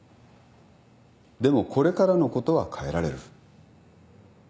でもこれからのことは変えられる。